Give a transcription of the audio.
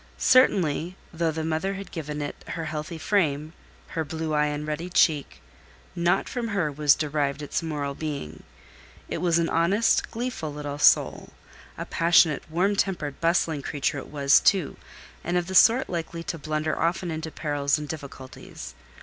Certainly, though the mother had given it her healthy frame, her blue eye and ruddy cheek, not from her was derived its moral being. It was an honest, gleeful little soul: a passionate, warm tempered, bustling creature it was too, and of the sort likely to blunder often into perils and difficulties.